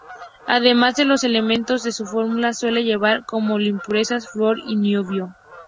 Además de los elementos de su fórmula, suele llevar como impurezas: flúor y niobio.